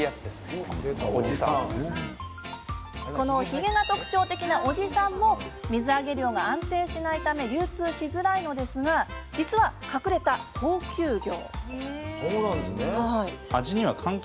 ひげが特徴的なオジサンも水揚げ量が安定しないため流通しづらいのですが実は、隠れた高級魚。